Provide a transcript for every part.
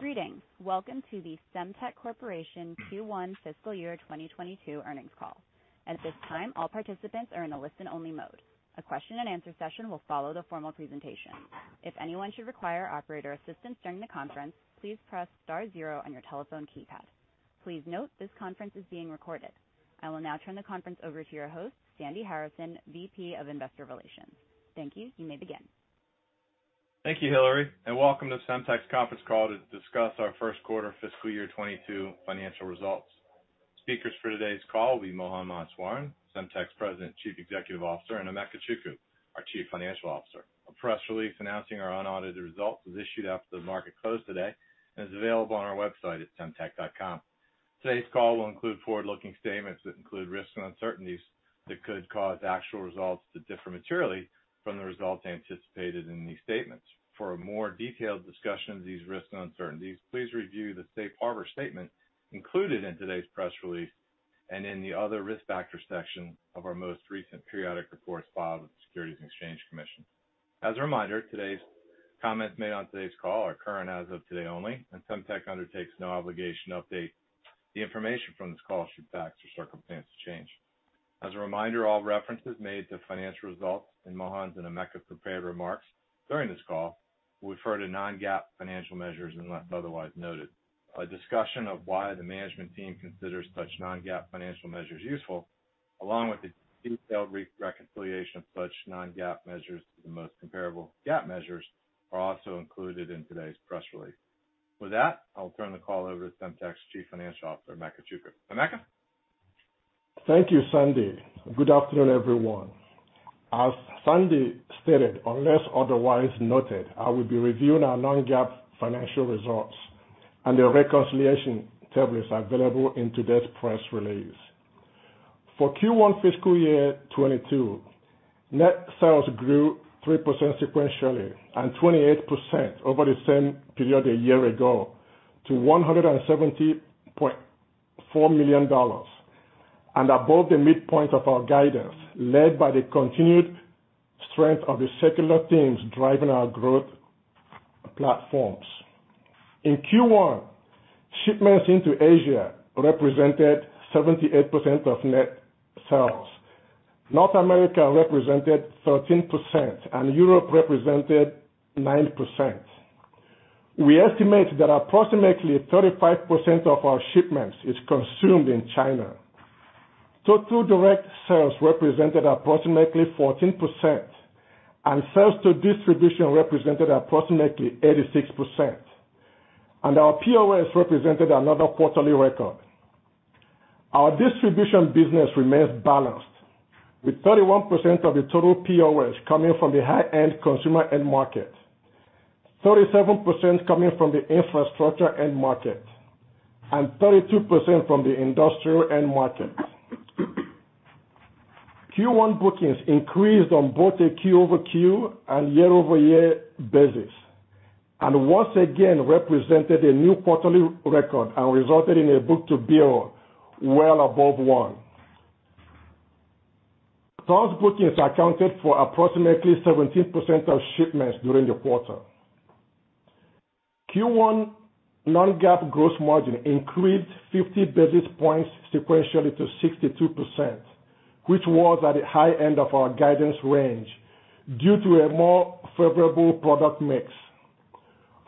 Greetings. Welcome to the Semtech Corporation Q1 Fiscal Year 2022 earnings call. At this time, all participants are in a listen-only mode. A question and answer session will follow the formal presentation. If anyone requires operator assistance during the conference, please press star 0 on your telephone keypad. Please note this conference is being recorded. I will now turn the conference over to your host, Sandy Harrison, VP of Investor Relations. Thank you. You may begin. Thank you, Hillary, and welcome to Semtech's conference call to discuss our first quarter fiscal year 2022 financial results. Speakers for today's call will be Mohan Maheswaran, Semtech's President, Chief Executive Officer, and Emeka Chukwu, our Chief Financial Officer. A press release announcing our unaudited results was issued after the market closed today and is available on our website at semtech.com. Today's call will include forward-looking statements that include risks and uncertainties that could cause actual results to differ materially from the results anticipated in these statements. For a more detailed discussion of these risks and uncertainties, please review the safe harbor statement included in today's press release and in the other risk factor section of our most recent periodic reports filed with the Securities and Exchange Commission. As a reminder, comments made on today's call are current as of today only, and Semtech undertakes no obligation to update the information from this call should facts or circumstances change. As a reminder, all references made to financial results in Mohan's and Nnaemeka's prepared remarks during this call will refer to non-GAAP financial measures unless otherwise noted. A discussion of why the management team considers such non-GAAP financial measures useful, along with a detailed reconciliation of such non-GAAP measures to the most comparable GAAP measures, is also included in today's press release. With that, I'll turn the call over to Semtech's Chief Financial Officer, Nnaemeka. Nnaemeka? Thank you, Sandy. Good afternoon, everyone. As Sandy stated, unless otherwise noted, I will be reviewing our non-GAAP financial results, and a reconciliation table is available in today's press release. For Q1 fiscal year 2022, net sales grew 3% sequentially and 28% over the same period a year ago to $170.4 million, above the midpoint of our guidance, led by the continued strength of the secular themes driving our growth platforms. In Q1, shipments into Asia represented 78% of net sales, North America represented 13%, and Europe represented 9%. We estimate that approximately 35% of our shipments are consumed in China. Total direct sales represented approximately 14%, and sales to distribution represented approximately 86%. Our POS represented another quarterly record. Our distribution business remains balanced, with 31% of the total POS coming from the high-end consumer end market, 37% coming from the infrastructure end market, and 32% from the industrial end market. Q1 bookings increased on both a quarter-over-quarter and year-over-year basis, and once again represented a new quarterly record and resulted in a book-to-bill well above one. Those bookings accounted for approximately 17% of shipments during the quarter. Q1 non-GAAP gross margin increased 50 basis points sequentially to 62%, which was at the high end of our guidance range due to a more favorable product mix.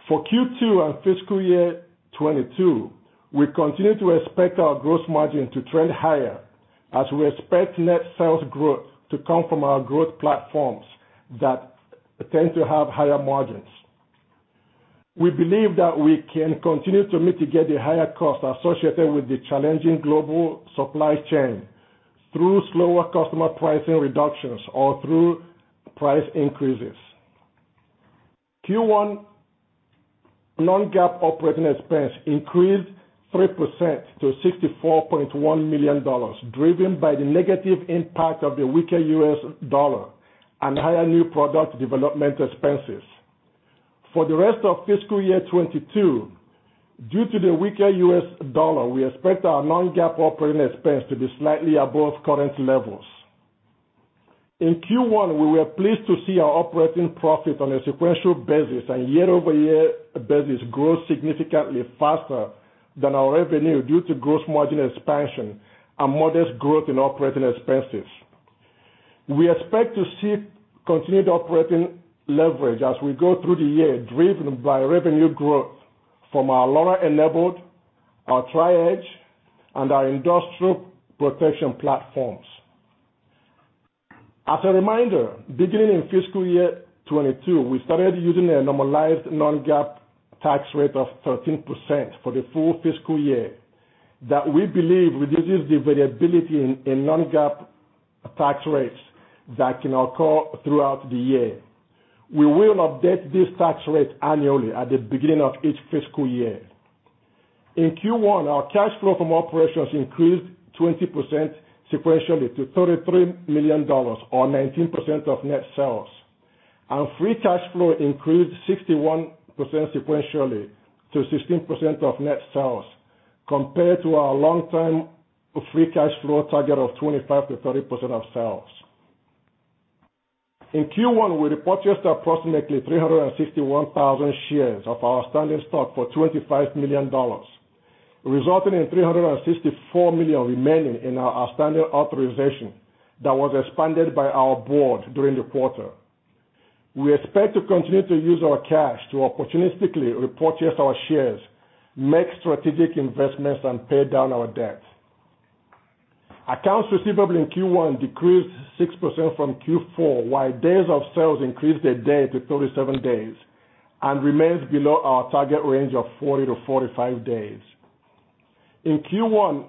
For Q2 and fiscal year 2022, we continue to expect our gross margin to trend higher as we expect net sales growth to come from our growth platforms that tend to have higher margins. We believe that we can continue to mitigate the higher costs associated with the challenging global supply chain through slower customer pricing reductions or through price increases. Q1 non-GAAP operating expense increased 3% to $64.1 million, driven by the negative impact of the weaker U.S. dollar and higher new product development expenses. For the rest of fiscal year 2022, due to the weaker U.S. dollar, we expect our non-GAAP operating expense to be slightly above current levels. In Q1, we were pleased to see our operating profit on a sequential basis and year-over-year basis grow significantly faster than our revenue due to gross margin expansion and modest growth in operating expenses. We expect to see continued operating leverage as we go through the year, driven by revenue growth from our LoRa-enabled, our Tri-Edge, and our industrial protection platforms. As a reminder, beginning in fiscal year 2022, we started using a normalized non-GAAP tax rate of 13% for the full fiscal year that we believe reduces the variability in non-GAAP tax rates that can occur throughout the year. We will update this tax rate annually at the beginning of each fiscal year. In Q1, our cash flow from operations increased 20% sequentially to $33 million, or 19% of net sales. Free cash flow increased 61% sequentially to 16% of net sales compared to our long-term free cash flow target of 25%-30% of sales. In Q1, we repurchased approximately 361,000 shares of our outstanding stock for $25 million, resulting in $364 million remaining in our outstanding authorization that was expanded by our board during the quarter. We expect to continue to use our cash to opportunistically repurchase our shares, make strategic investments, and pay down our debt. Accounts receivable in Q1 decreased 6% from Q4, while days of sales increased a day to 37 days and remains below our target range of 40 to 45 days. In Q1,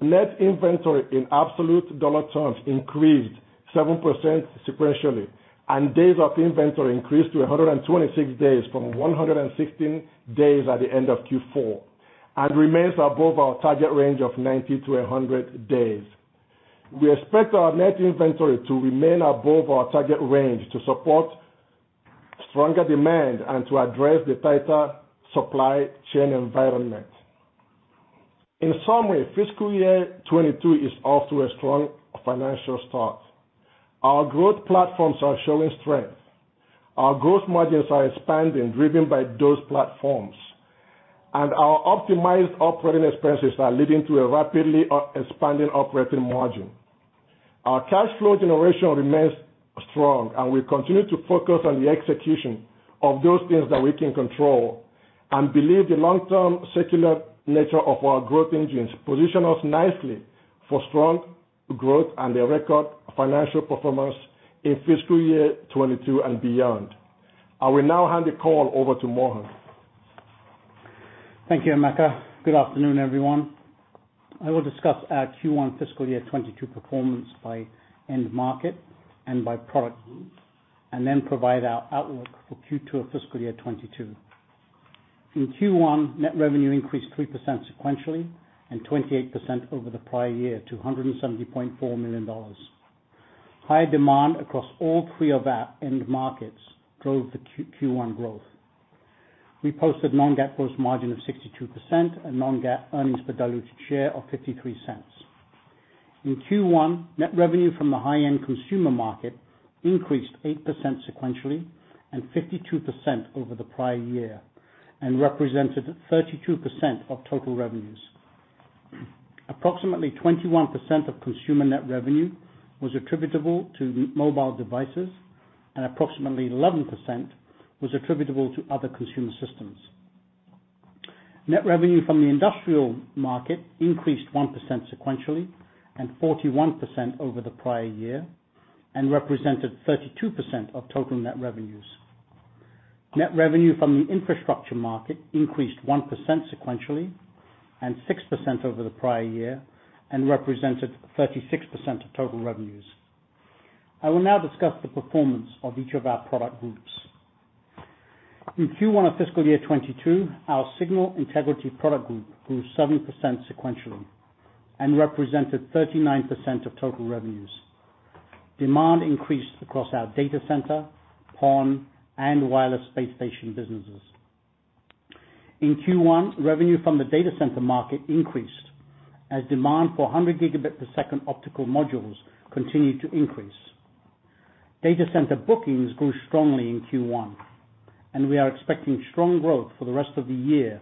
net inventory in absolute dollar terms increased 7% sequentially, and days of inventory increased to 126 days from 116 days at the end of Q4 and remains above our target range of 90 to 100 days. We expect our net inventory to remain above our target range to support stronger demand and to address the tighter supply chain environment. In summary, fiscal year 2022 is off to a strong financial start. Our growth platforms are showing strength. Our gross margins are expanding, driven by those platforms, and our optimized operating expenses are leading to a rapidly expanding operating margin. Our cash flow generation remains strong. We continue to focus on the execution of those things that we can control and believe the long-term secular nature of our growth engines position us nicely for strong growth and a record financial performance in fiscal year 2022 and beyond. I will now hand the call over to Mohan. Thank you, Emeka. Good afternoon, everyone. I will discuss our Q1 fiscal year 2022 performance by end market and by product group, and then provide our outlook for Q2 of fiscal year 2022. In Q1, net revenue increased 3% sequentially and 28% over the prior year to $170.4 million. High demand across all three of our end markets drove the Q1 growth. We posted non-GAAP gross margin of 62% and non-GAAP earnings per diluted share of $0.53. In Q1, net revenue from the high-end consumer market increased 8% sequentially and 52% over the prior year and represented 32% of total revenues. Approximately 21% of consumer net revenue was attributable to mobile devices, and approximately 11% was attributable to other consumer systems. Net revenue from the industrial market increased 1% sequentially and 41% over the prior year and represented 32% of total net revenues. Net revenue from the infrastructure market increased 1% sequentially and 6% over the prior year and represented 36% of total revenues. I will now discuss the performance of each of our product groups. In Q1 of fiscal year 2022, our signal integrity product group grew 7% sequentially and represented 39% of total revenues. Demand increased across our data center, PON, and wireless base station businesses. In Q1, revenue from the data center market increased as demand for 100 gigabit per second optical modules continued to increase. Data center bookings grew strongly in Q1, and we are expecting strong growth for the rest of the year,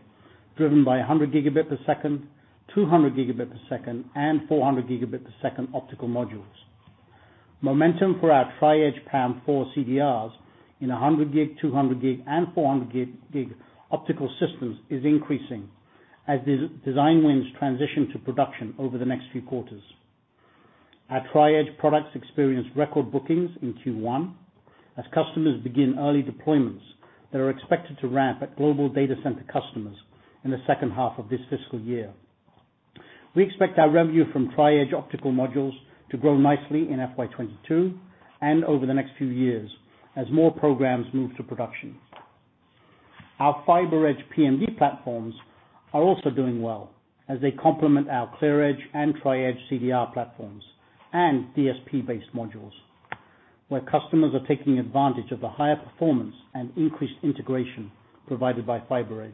driven by 100 gigabit per second, 200 gigabit per second, and 400 gigabit per second optical modules. Momentum for our Tri-Edge PAM4 CDRs in 100G, 200G, and 400G optical systems is increasing as design wins transition to production over the next few quarters. Our Tri-Edge products experienced record bookings in Q1 as customers begin early deployments that are expected to ramp at global data center customers in the second half of this fiscal year. We expect our revenue from Tri-Edge optical modules to grow nicely in FY 2022 and over the next few years as more programs move to production. Our FiberEdge PMD platforms are also doing well as they complement our ClearEdge and Tri-Edge CDR platforms and DSP-based modules, where customers are taking advantage of the higher performance and increased integration provided by FiberEdge.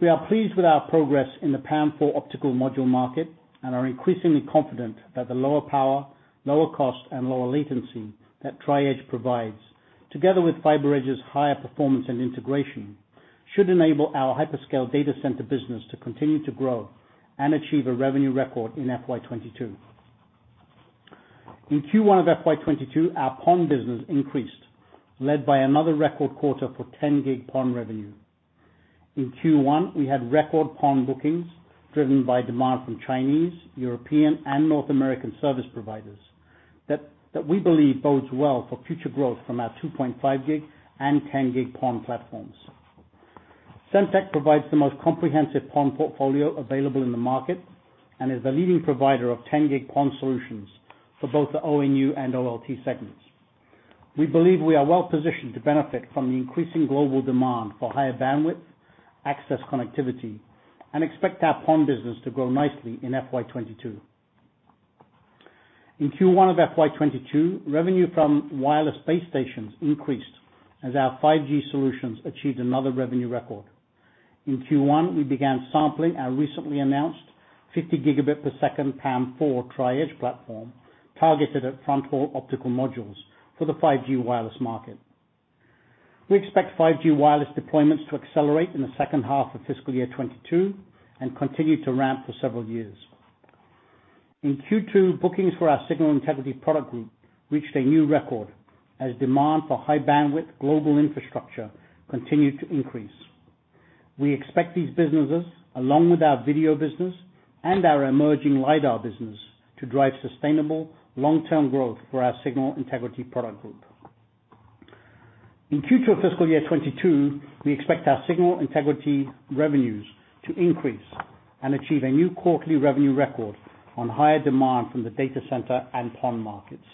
We are pleased with our progress in the PAM4 optical module market and are increasingly confident that the lower power, lower cost, and lower latency that Tri-Edge provides, together with FiberEdge's higher performance and integration, should enable our hyperscale data center business to continue to grow and achieve a revenue record in FY 2022. In Q1 of FY 2022, our PON business increased, led by another record quarter for 10G PON revenue. In Q1, we had record PON bookings driven by demand from Chinese, European, and North American service providers that we believe bodes well for future growth from our 2.5G and 10G PON platforms. Semtech provides the most comprehensive PON portfolio available in the market and is a leading provider of 10G PON solutions for both the ONU and OLT segments. We believe we are well positioned to benefit from the increasing global demand for higher bandwidth access connectivity and expect our PON business to grow nicely in FY 2022. In Q1 of FY 2022, revenue from wireless base stations increased as our 5G solutions achieved another revenue record. In Q1, we began sampling our recently announced 50 gigabit per second PAM4 Tri-Edge platform targeted at fronthaul optical modules for the 5G wireless market. We expect 5G wireless deployments to accelerate in the second half of fiscal year 2022 and continue to ramp for several years. In Q2, bookings for our signal integrity product group reached a new record as demand for high bandwidth global infrastructure continued to increase. We expect these businesses, along with our video business and our emerging LiDAR business, to drive sustainable long-term growth for our signal integrity product group. In Q2 of fiscal year 2022, we expect our signal integrity revenues to increase and achieve a new quarterly revenue record on higher demand from the data center and PON markets.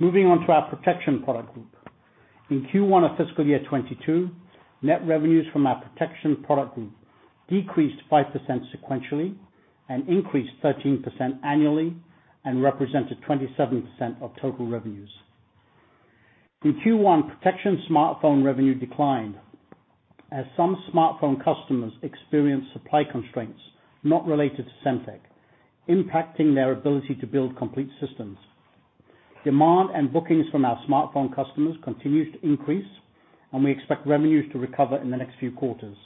Moving on to our protection product group. In Q1 of fiscal year 2022, net revenues from our protection product group decreased 5% sequentially and increased 13% annually and represented 27% of total revenues. In Q1, protection smartphone revenue declined as some smartphone customers experienced supply constraints not related to Semtech, impacting their ability to build complete systems. Demand and bookings from our smartphone customers continued to increase, and we expect revenues to recover in the next few quarters.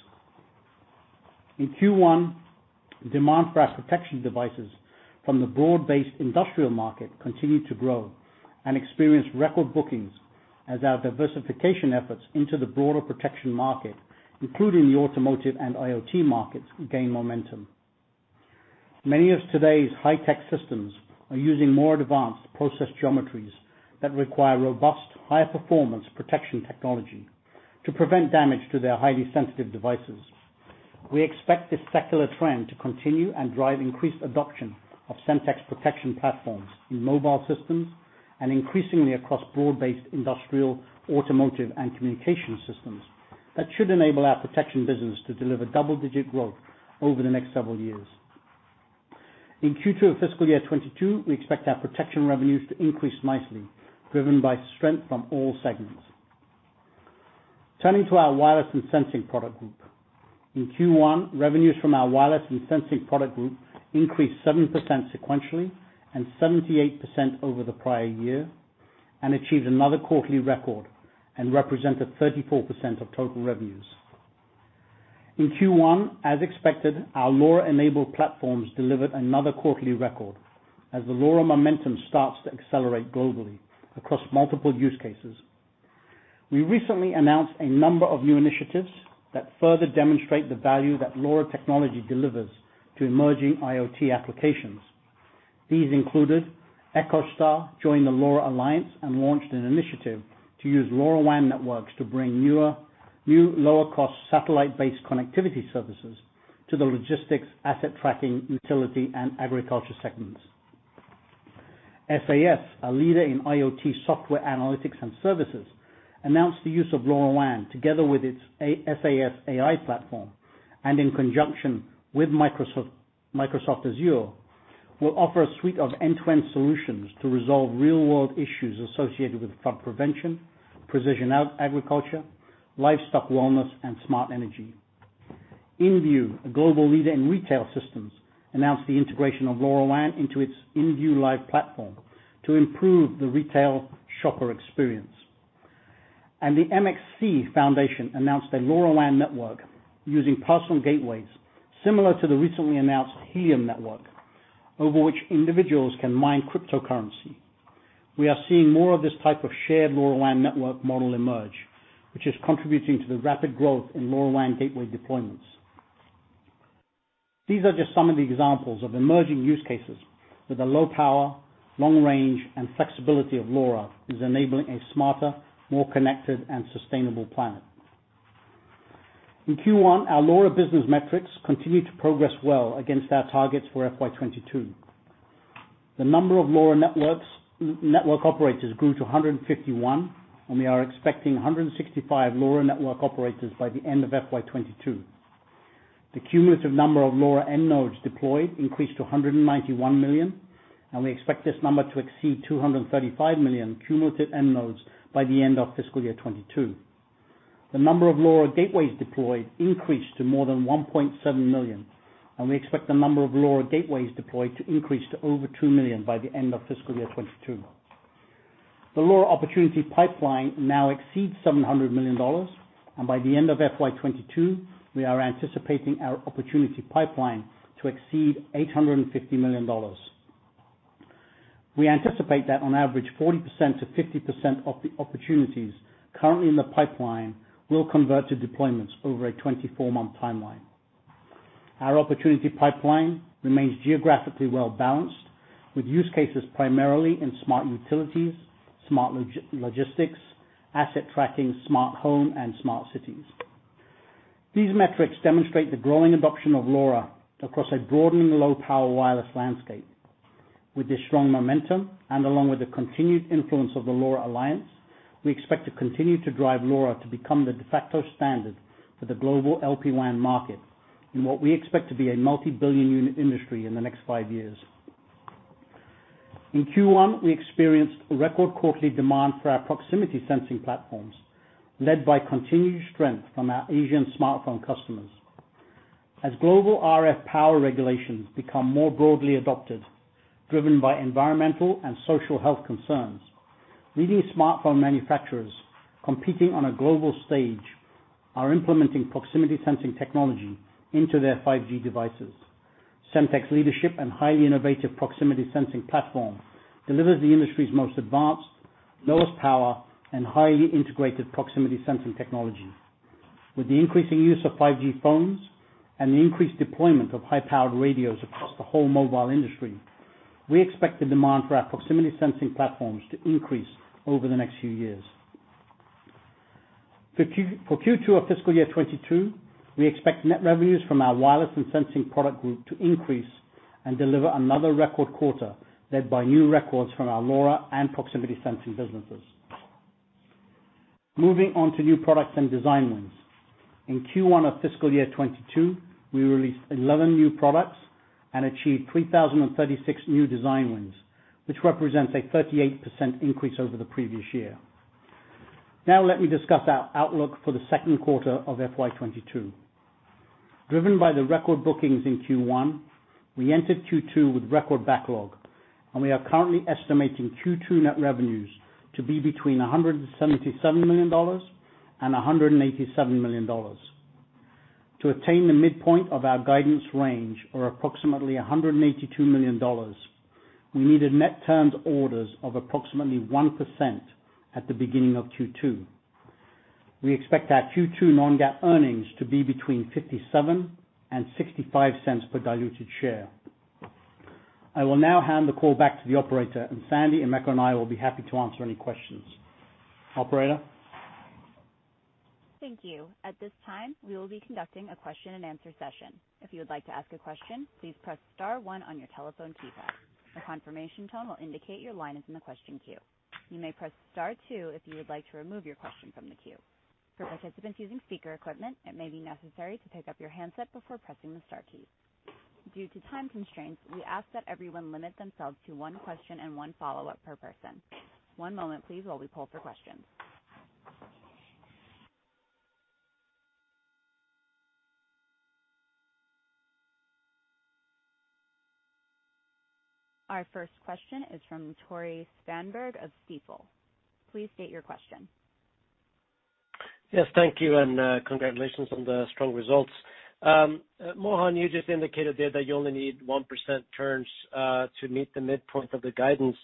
In Q1, demand for our protection devices from the broad-based industrial market continued to grow and experienced record bookings as our diversification efforts into the broader protection market, including the automotive and IoT markets, gain momentum. Many of today's high-tech systems are using more advanced process geometries that require robust, high-performance protection technology to prevent damage to their highly sensitive devices. We expect this secular trend to continue and drive increased adoption of Semtech's protection platforms in mobile systems and increasingly across broad-based industrial, automotive, and communication systems that should enable our protection business to deliver double-digit growth over the next several years. In Q2 of fiscal year 2022, we expect our protection revenues to increase nicely, driven by strength from all segments. Turning to our wireless and sensing product group. In Q1, revenues from our wireless and sensing product group increased 7% sequentially and 78% over the prior year and achieved another quarterly record and represented 34% of total revenues. In Q1, as expected, our LoRa-enabled platforms delivered another quarterly record as the LoRa momentum starts to accelerate globally across multiple use cases. We recently announced a number of new initiatives that further demonstrate the value that LoRa technology delivers to emerging IoT applications. These included EchoStar joined the LoRa Alliance and launched an initiative to use LoRaWAN networks to bring new lower-cost satellite-based connectivity services to the logistics, asset tracking, utility, and agriculture segments. SAS, a leader in IoT software analytics and services, announced the use of LoRaWAN together with its SAS AI platform and in conjunction with Microsoft Azure, will offer a suite of end-to-end solutions to resolve real-world issues associated with flood prevention, precision agriculture, livestock wellness, and smart energy. InVue, a global leader in retail systems, announced the integration of LoRaWAN into its InVue LIVE platform to improve the retail shopper experience. The MXC Foundation announced a LoRaWAN network using personal gateways similar to the recently announced Helium network, over which individuals can mine cryptocurrency. We are seeing more of this type of shared LoRaWAN network model emerge, which is contributing to the rapid growth in LoRaWAN gateway deployments. These are just some of the examples of emerging use cases where the low power, long range, and flexibility of LoRa is enabling a smarter, more connected, and sustainable planet. In Q1, our LoRa business metrics continued to progress well against our targets for FY 2022. The number of LoRa network operators grew to 151, and we are expecting 165 LoRa network operators by the end of FY 2022. The cumulative number of LoRa end nodes deployed increased to 191 million, and we expect this number to exceed 235 million cumulative end nodes by the end of fiscal year 2022. The number of LoRa gateways deployed increased to more than 1.7 million, and we expect the number of LoRa gateways deployed to increase to over 2 million by the end of fiscal year 2022. The LoRa opportunity pipeline now exceeds $700 million. By the end of FY 2022, we are anticipating our opportunity pipeline to exceed $850 million. We anticipate that on average, 40%-50% of the opportunities currently in the pipeline will convert to deployments over a 24-month timeline. Our opportunity pipeline remains geographically well-balanced, with use cases primarily in smart utilities, smart logistics, asset tracking, smart home, and smart cities. These metrics demonstrate the growing adoption of LoRa across a broadening low-power wireless landscape. With this strong momentum and along with the continued influence of the LoRa Alliance, we expect to continue to drive LoRa to become the de facto standard for the global LPWAN market in what we expect to be a multi-billion unit industry in the next five years. In Q1, we experienced record quarterly demand for our proximity sensing platforms, led by continued strength from our Asian smartphone customers. As global RF power regulations become more broadly adopted, driven by environmental and social health concerns, leading smartphone manufacturers competing on a global stage are implementing proximity sensing technology into their 5G devices. Semtech's leadership and highly innovative proximity sensing platform delivers the industry's most advanced, lowest power, and highly integrated proximity sensing technology. With the increasing use of 5G phones and the increased deployment of high-powered radios across the whole mobile industry, we expect the demand for our proximity sensing platforms to increase over the next few years. For Q2 of fiscal year 2022, we expect net revenues from our wireless and sensing product group to increase and deliver another record quarter, led by new records from our LoRa and proximity sensing businesses. Moving on to new products and design wins. In Q1 of fiscal year 2022, we released 11 new products and achieved 3,036 new design wins, which represents a 38% increase over the previous year. Now let me discuss our outlook for the second quarter of FY 2022. Driven by the record bookings in Q1, we entered Q2 with record backlog, and we are currently estimating Q2 net revenues to be between $177 million and $187 million. To attain the midpoint of our guidance range or approximately $182 million, we needed net turned orders of approximately 1% at the beginning of Q2. We expect our Q2 non-GAAP earnings to be between $0.57 and $0.65 per diluted share. I will now hand the call back to the operator. Sandy, Emeka, and I will be happy to answer any questions. Operator? Thank you. At this time, we will be conducting a question and answer session. If you would like to ask a question, please press star one on your telephone keypad. The confirmation tone will indicate your line is in the question queue. You may press star two if you would like to remove your question from the queue. For participants using speaker equipment, it may be necessary to pick up your handset before pressing the star key. Due to time constraints, we ask that everyone limit themselves to one question and one follow-up per person. One moment please while we pull for questions. Our first question is from Tore Svanberg of Stifel. Please state your question. Yes, thank you, and congratulations on the strong results. Mohan, you just indicated there that you only need 1% turns to meet the midpoint of the guidance.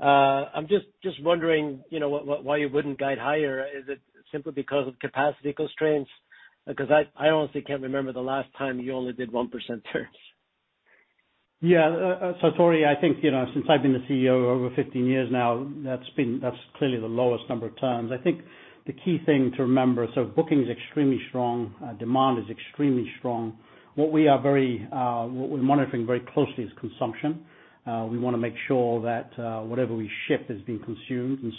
I'm just wondering why you wouldn't guide higher. Is it simply because of capacity constraints? I honestly can't remember the last time you only did 1% turns. Yeah. Tore, I think, since I've been the CEO over 15 years now, that's clearly the lowest number of turns. I think the key thing to remember, booking is extremely strong, demand is extremely strong. What we're monitoring very closely is consumption. We want to make sure that whatever we ship is being consumed. We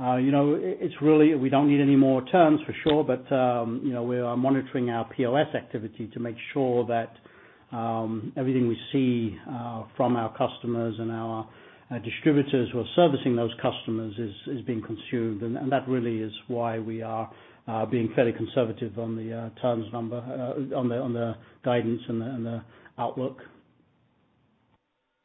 don't need any more turns for sure, we are monitoring our POS activity to make sure that everything we see from our customers and our distributors who are servicing those customers is being consumed. That really is why we are being fairly conservative on the turns number, on the guidance, and the outlook.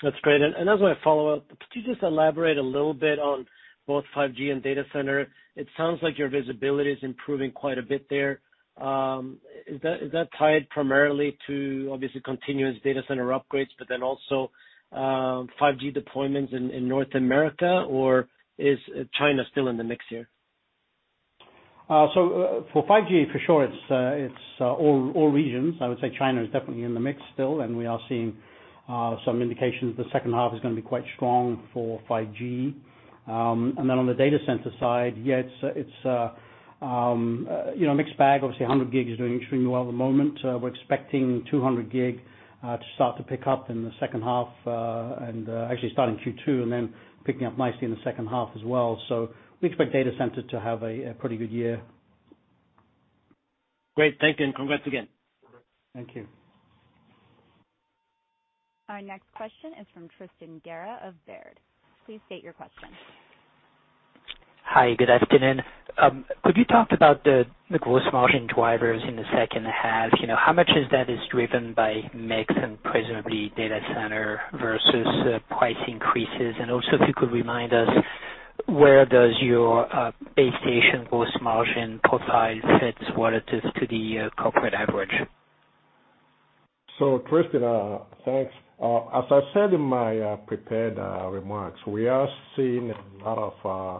That's great. As my follow-up, could you just elaborate a little bit on both 5G and data center? It sounds like your visibility is improving quite a bit there. Is that tied primarily to obviously continuous data center upgrades, but then also 5G deployments in North America, or is China still in the mix here? For 5G, for sure, it's all regions. I would say China is definitely in the mix still, and we are seeing some indications the second half is going to be quite strong for 5G. On the data center side, yeah, it's a mixed bag. Obviously, 100G is doing extremely well at the moment. We're expecting 200G to start to pick up in the second half and actually starting Q2 and then picking up nicely in the second half as well. We expect data center to have a pretty good year. Great. Thank you, and congrats again. Thank you. Our next question is from Tristan Gerra of Baird. Please state your question. Hi, good afternoon. When you talked about the gross margin drivers in the second half, how much of that is driven by mix and presumably data center versus price increases? If you could remind us, where does your base station gross margin profile sit relative to the corporate average? Tristan, thanks. As I said in my prepared remarks, we are seeing a lot of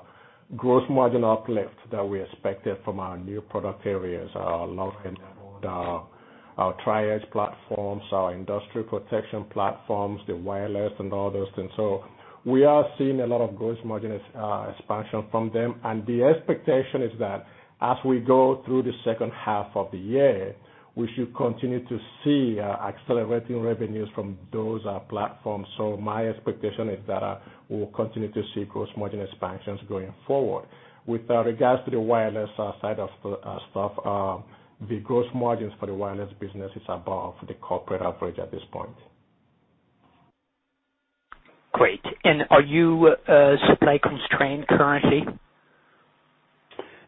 gross margin uplift that we expected from our new product areas, our LoRa, our Tri-Edge platforms, our industrial protection platforms, the wireless and all those things. We are seeing a lot of gross margin expansion from them, and the expectation is that as we go through the second half of the year, we should continue to see accelerating revenues from those platforms. My expectation is that we'll continue to see gross margin expansions going forward. With regards to the wireless side of stuff, the gross margins for the wireless business is above the corporate average at this point. Great. Are you supply constrained currently?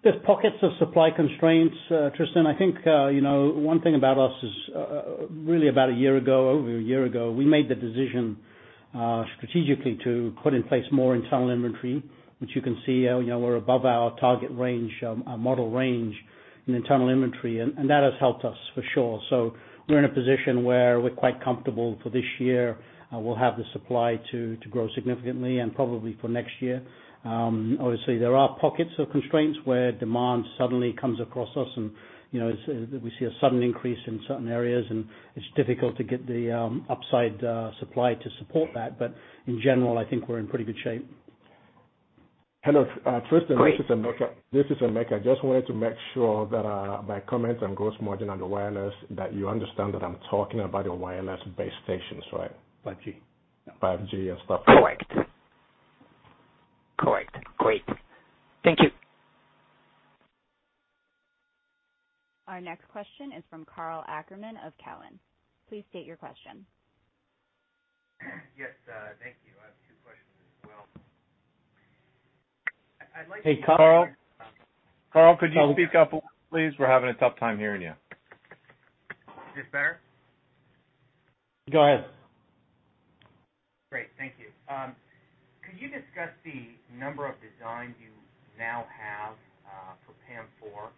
There's pockets of supply constraints, Tristan. I think, one thing about us is, really about a year ago, over a year ago, we made the decision, strategically, to put in place more internal inventory. Which you can see, we're above our target range, our model range in internal inventory. That has helped us for sure. We're in a position where we're quite comfortable for this year, we'll have the supply to grow significantly and probably for next year. Obviously, there are pockets of constraints where demand suddenly comes across us and, we see a sudden increase in certain areas, and it's difficult to get the upside supply to support that. In general, I think we're in pretty good shape. Hello, Tristan. Great. This is Emeka. I just wanted to make sure that my comments on gross margin and wireless, that you understand that I'm talking about your wireless base stations, right? 5G. 5G and stuff. Correct. Great. Thank you. Our next question is from Karl Ackerman of Cowen. Please state your question. Yes, thank you. I have two questions as well. Hey, Karl. Karl, could you speak up a little, please? We're having a tough time hearing you. Is this better? Go ahead. Great. Thank you. Could you discuss the number of designs you now have for PAM4,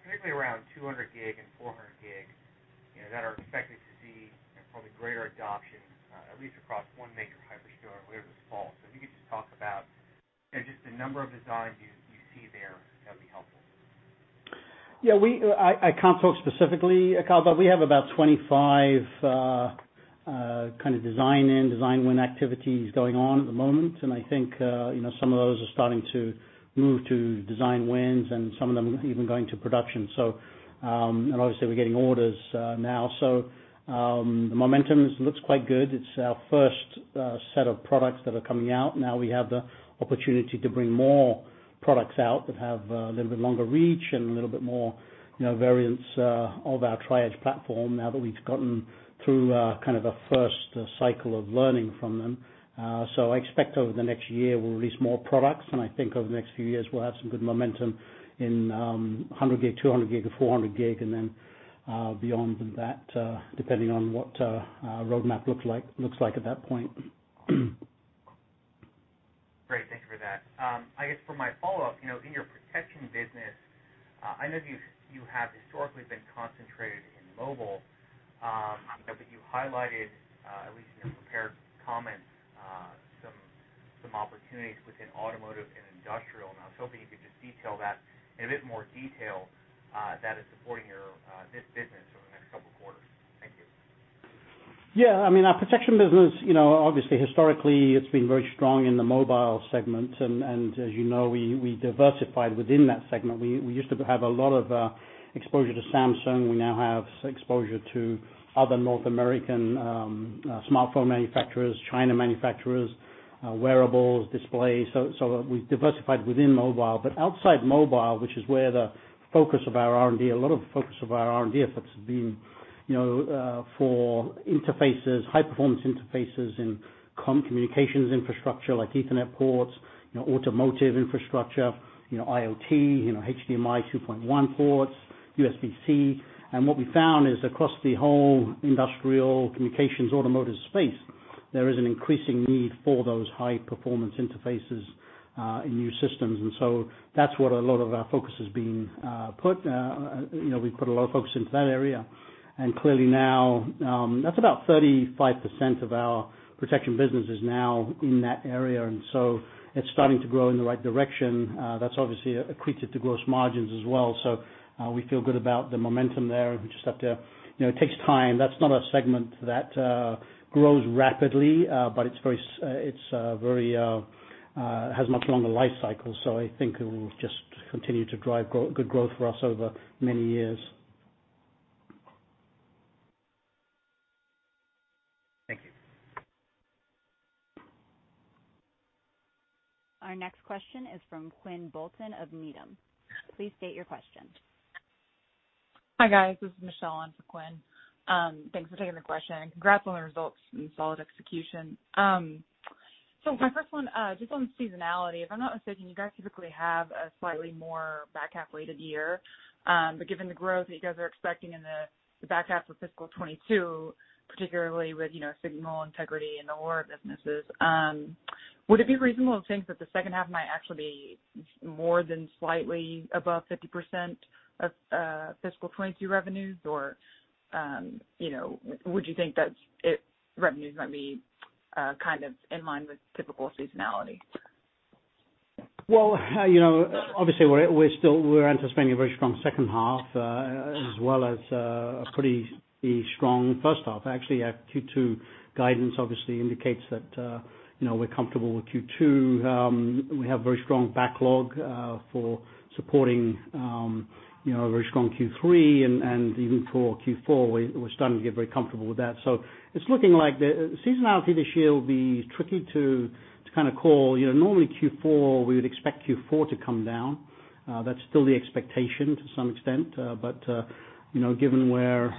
particularly around 200G and 400G, that are expected to see probably greater adoption, at least across one major hyper store later this fall. If you could just talk about just the number of designs you see there, that'd be helpful. Yeah. I can't talk specifically, Karl, but we have about 25 design-in, design win activities going on at the moment. I think some of those are starting to move to design wins and some of them even going to production. Obviously, we're getting orders now, the momentum looks quite good. It's our first set of products that are coming out. Now we have the opportunity to bring more products out that have a little bit longer reach and a little bit more variance of our Tri-Edge platform now that we've gotten through a first cycle of learning from them. I expect over the next year, we'll release more products, and I think over the next few years, we'll have some good momentum in 100G, 200G, and 400G, and then beyond that, depending on what our roadmap looks like at that point. Great. Thank you for that. I guess for my follow-up, in your protection business, I know you have historically been concentrated in mobile, but you highlighted, at least in your prepared comments, some opportunities within automotive and industrial. I was hoping you could just detail that in a bit more detail that is supporting this business over the next couple of quarters. Thank you. Yeah. Our protection business, obviously historically, it's been very strong in the mobile segment. As you know, we diversified within that segment. We used to have a lot of exposure to Samsung. We now have exposure to other North American smartphone manufacturers, China manufacturers, wearables, displays. We've diversified within mobile. Outside mobile, which is where the focus of our R&D, a lot of the focus of our R&D efforts have been, for interfaces, high performance interfaces in communications infrastructure like ethernet ports, automotive infrastructure, IoT, HDMI 2.1 ports, USB-C. What we found is across the whole industrial communications automotive space, there is an increasing need for those high performance interfaces, in new systems. That's what a lot of our focus has been put. We put a lot of focus into that area. Clearly now, that's about 35% of our protection business is now in that area, and so it's starting to grow in the right direction. That's obviously accretive to gross margins as well, so we feel good about the momentum there. It takes time. That's not a segment that grows rapidly. It has much longer life cycles, so I think it will just continue to drive good growth for us over many years. Thank you. Our next question is from Quinn Bolton of Needham. Please state your question. Hi, guys. This is Michelle on for Quinn. Thanks for taking the question. Congrats on the results and solid execution. My first one, just on seasonality. If I'm not mistaken, you guys typically have a slightly more back half weighted year. Given the growth that you guys are expecting in the back half of fiscal 2022, particularly with signal integrity and the LoRa businesses, would it be reasonable to think that the second half might actually be more than slightly above 50% of fiscal 2022 revenues? Would you think that revenues might be in line with typical seasonality? Obviously, we're anticipating a very strong second half, as well as a pretty strong first half. Actually, our Q2 guidance obviously indicates that we're comfortable with Q2. We have very strong backlog for supporting a very strong Q3 and even for Q4, we're starting to get very comfortable with that. It's looking like the seasonality this year will be tricky to call. Normally Q4, we would expect Q4 to come down. That's still the expectation to some extent. Given where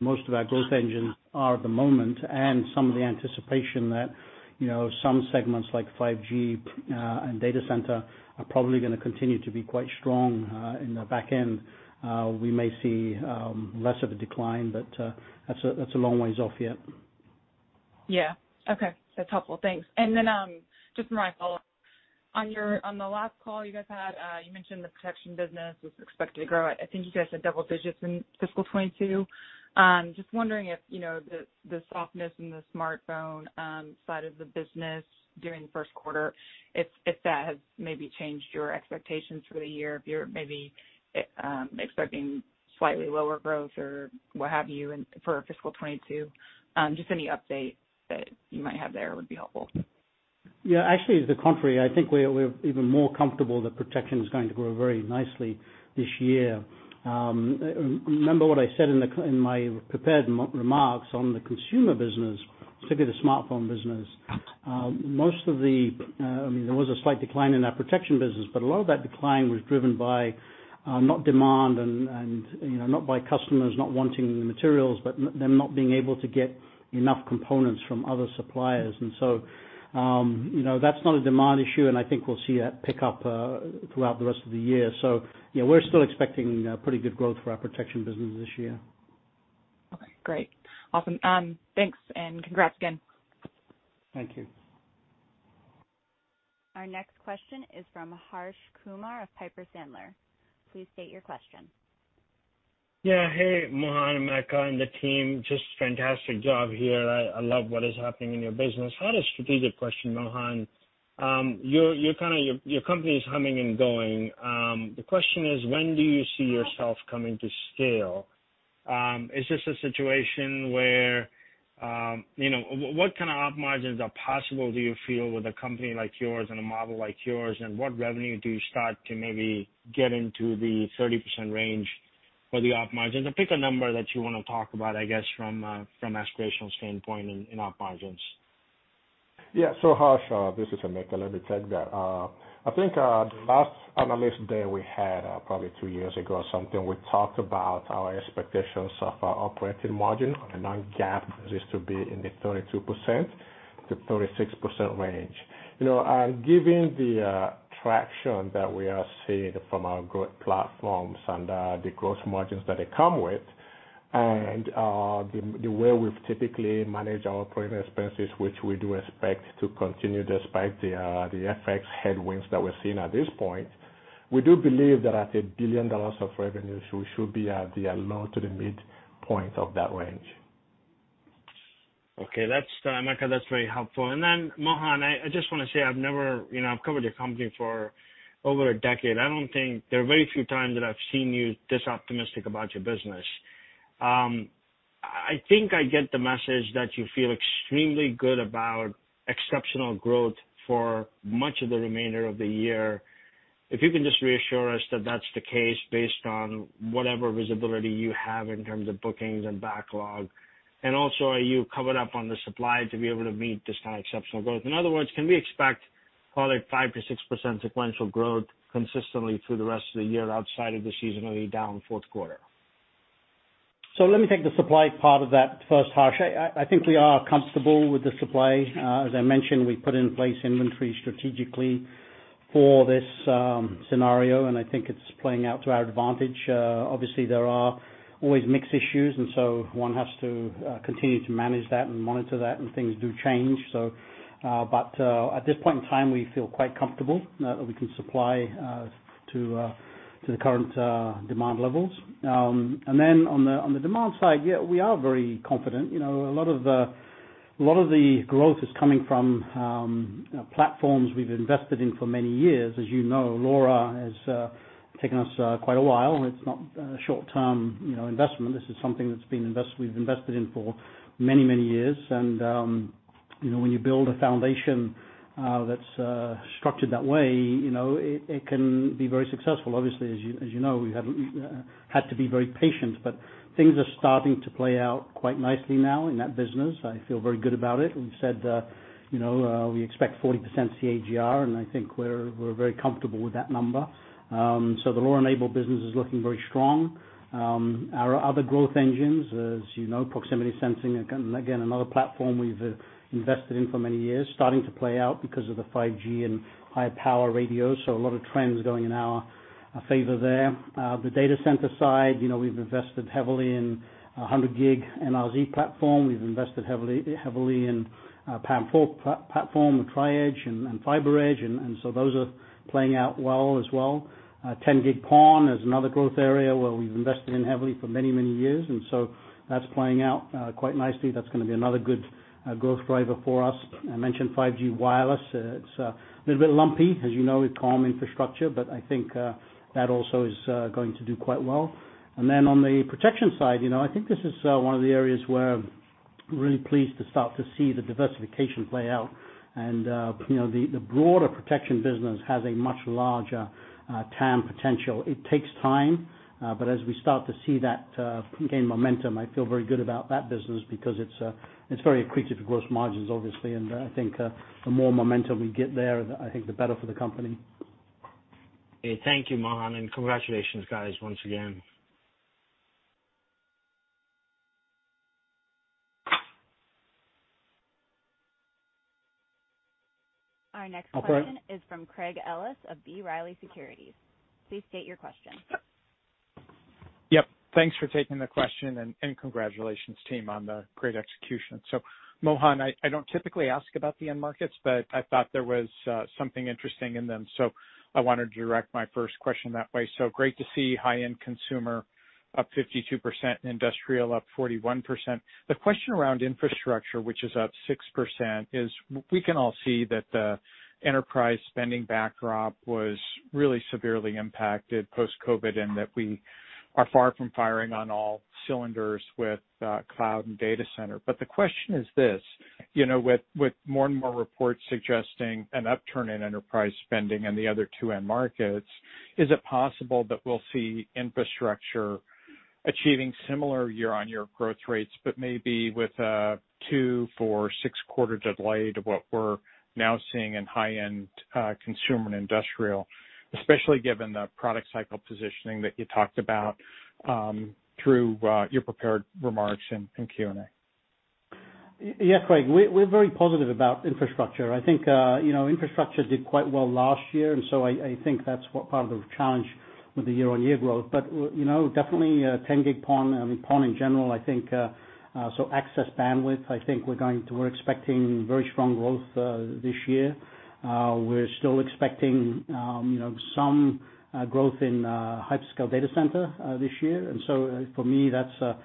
most of our growth engines are at the moment and some of the anticipation that some segments like 5G and data center are probably gonna continue to be quite strong, in the back end, we may see less of a decline, but that's a long ways off yet. Yeah. Okay. That's helpful. Thanks. Just one more follow-up. On the last call you guys had, you mentioned the protection business was expected to grow at, I think you guys said double digits in fiscal 2022. Just wondering if this optimism in the smartphone side of the business during the first quarter, if that has maybe changed your expectations for the year. If you're maybe expecting slightly lower growth or what have you for fiscal 2022. Just any updates that you might have there would be helpful. Yeah. Actually, it's the contrary. I think we're even more comfortable that protection is going to grow very nicely this year. Remember what I said in my prepared remarks on the consumer business, specifically the smartphone business. There was a slight decline in our protection business, but a lot of that decline was driven by not demand and not by customers not wanting the materials, but them not being able to get enough components from other suppliers. That's not a demand issue, and I think we'll see that pick up throughout the rest of the year. Yeah, we're still expecting pretty good growth for our protection business this year. Okay, great. Awesome. Thanks, and congrats again. Thank you. Our next question is from Harsh Kumar of Piper Sandler. Please state your question. Yeah. Hey, Mohan, Emeka, and the team. Just fantastic job here. I love what is happening in your business. I want a strategic question, Mohan. Your company's humming and going. The question is, when do you see yourself coming to scale? What kind of op margins are possible, do you feel, with a company like yours and a model like yours, and what revenue do you start to maybe get into the 30% range for the op margins? Pick a number that you want to talk about, I guess, from an aspirational standpoint in op margins. Harsh, this is Mika. Let me take that. I think last Analyst Day we had, probably two years ago or something, we talked about our expectations of our operating margin on a non-GAAP basis to be in the 32%-36% range. Given the traction that we are seeing from our growth platforms and the gross margins that they come with, and the way we've typically managed our operating expenses, which we do expect to continue despite the FX headwinds that we're seeing at this point, we do believe that at $1 billion of revenue, so we should be at the low to the midpoint of that range. Okay. Emeka, that's very helpful. Mohan, I just want to say I've covered your company for over a decade. There are very few times that I've seen you this optimistic about your business. I think I get the message that you feel extremely good about exceptional growth for much of the remainder of the year. If you can just reassure us that that's the case based on whatever visibility you have in terms of bookings and backlog. Also, are you covered up on the supply to be able to meet this kind of exceptional growth? In other words, can we expect probably 5%-6% sequential growth consistently through the rest of the year outside of the seasonally down fourth quarter? Let me take the supply part of that first, Harsh. I think we are comfortable with the supply. As I mentioned, we put in place inventory strategically for this scenario, and I think it's playing out to our advantage. Obviously, there are always mix issues, and so one has to continue to manage that and monitor that, and things do change. At this point in time, we feel quite comfortable that we can supply to the current demand levels. On the demand side, yeah, we are very confident. A lot of the growth is coming from platforms we've invested in for many years. As you know, LoRa has taken us quite a while. It's not a short-term investment. This is something that we've invested in for many, many years. When you build a foundation that's structured that way, it can be very successful. Obviously, as you know, we had to be very patient. Things are starting to play out quite nicely now in that business. I feel very good about it. We've said we expect 40% CAGR, and I think we're very comfortable with that number. The LoRa business is looking very strong. Our other growth engines, as you know, proximity sensing, again, another platform we've invested in for many years, starting to play out because of the 5G and high-power radio. The data center side, we've invested heavily in 100G NRZ platform. We've invested heavily in PAM4 platform with Tri-Edge and FiberEdge, and so those are playing out well as well. 10G PON is another growth area where we've invested in heavily for many, many years, and so that's playing out quite nicely. That's going to be another good growth driver for us. I mentioned 5G wireless. It's a little bit lumpy, as you know, it's comm infrastructure, but I think that also is going to do quite well. On the protection side, I think this is one of the areas where we're really pleased to start to see the diversification play out. The broader protection business has a much larger TAM potential. It takes time, but as we start to see that gain momentum, I feel very good about that business because it's very accretive gross margins, obviously, and I think the more momentum we get there, the better for the company. Okay. Thank you, Mohan, and congratulations, guys, once again. Our next question is from Craig Ellis of B. Riley Securities. Please state your question. Yep. Thanks for taking the question, and congratulations, team, on the great execution. Mohan, I don't typically ask about the end markets, but I thought there was something interesting in them, so I want to direct my first question that way. Great to see high-end consumer up 52%, industrial up 41%. The question around infrastructure, which is up 6%, is we can all see that the enterprise spending backdrop was really severely impacted post-COVID, and that we are far from firing on all cylinders with cloud and data center. The question is this: With more and more reports suggesting an upturn in enterprise spending and the other two end markets, is it possible that we'll see infrastructure achieving similar year-on-year growth rates, but maybe with a two, four, or six-quarter delay to what we're now seeing in high-end consumer and industrial, especially given the product cycle positioning that you talked about through your prepared remarks and Q&A? Yeah, Craig, we're very positive about infrastructure. Infrastructure did quite well last year, so that's part of the challenge with the year-on-year growth. Definitely 10G PON and PON in general, so access bandwidth, we're expecting very strong growth this year. We're still expecting some growth in hyperscale data centers this year. For me, that's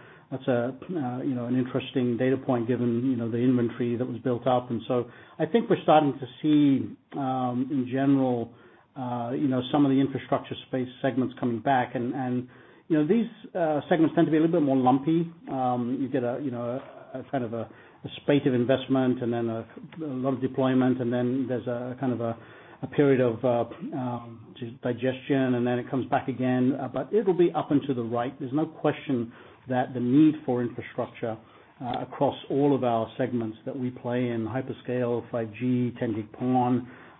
an interesting data point given the inventory that was built up. We're starting to see, in general, some of the infrastructure space segments coming back. These segments tend to be a little bit more lumpy. You get a kind of a spate of investment and then a lot of deployment, and then there's a kind of a period of digestion, and then it comes back again. It'll be up and to the right. There's no question that the need for infrastructure across all of our segments—hyperscale, 5G, 10G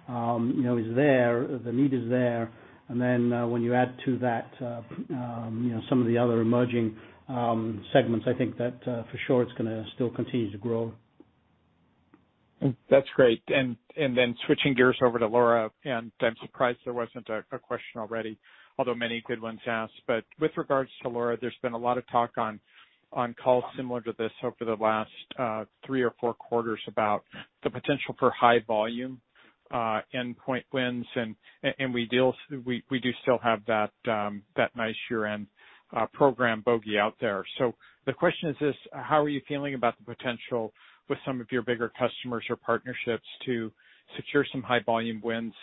PON—is there; the need is there. When you add to that some of the other emerging segments, I think that for sure it's still going to continue to grow. That's great. Switching gears over to LoRa. I'm surprised there wasn't a question already, although many good ones were asked. With regards to LoRa, there's been a lot of talk on calls similar to this over the last three or four quarters about the potential for high-volume endpoint wins. We do still have that nice year-end program bogey out there. The question is this: How are you feeling about the potential with some of your bigger customers or partnerships to secure some high-volume wins?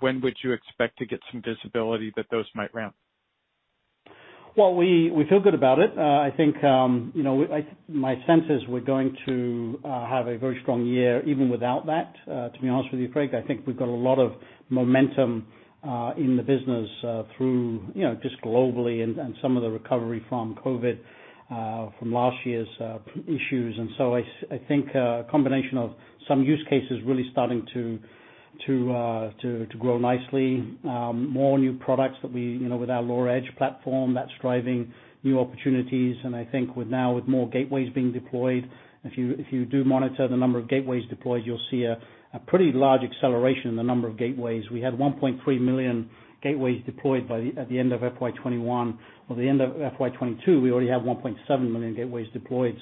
When would you expect to get some visibility that those might ramp? Well, we feel good about it. I think my sense is we're going to have a very strong year even without that. To be honest with you, Craig, I think we've got a lot of momentum in the business globally and some of the recovery from COVID from last year's issues. I think a combination of some use cases is really starting to grow nicely. More new products with our LoRa Edge platform are driving new opportunities. I think now with more gateways being deployed, if you do monitor the number of gateways deployed, you'll see a pretty large acceleration in the number of gateways. We had 1.3 million gateways deployed at the end of FY 2021. By the end of FY 2022, we already have 1.7 million gateways deployed.